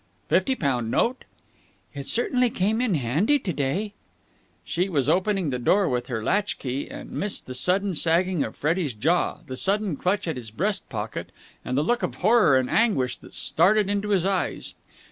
"Fifty pound note?" "It certainly came in handy to day!" She was opening the door with her latch key, and missed the sudden sagging of Freddie's jaw, the sudden clutch at his breast pocket, and the look of horror and anguish that started into his eyes.